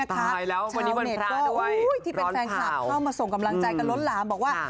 ชาวเน็ตก็ที่เป็นแฟนคลับเข้ามาส่งกำลังใจกันล้นหลามบอกว่า